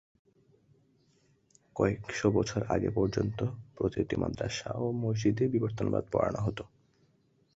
কয়েকশো বছর আগে পর্যন্ত প্রতিটি মাদরাসা ও মসজিদে বিবর্তনবাদ পড়ানো হতো।